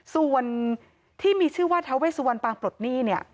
ส่วนที่มีชื่อว่าเท้าเวสวรรค์ปางปลดหนี้